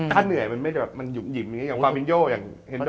ถ้าเหนื่อยมันยุ่มหยิมอย่างความยิงโยอย่างเฮนโด